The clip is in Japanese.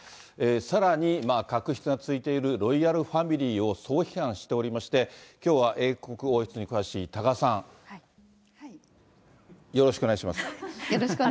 さらに、確執をついているロイヤルファミリーを総批判しておりまして、きょうは英国王室に詳しい多賀さん、よろしくお願いします。